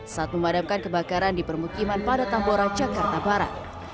saat memadamkan kebakaran di permukiman pada tambora jakarta barat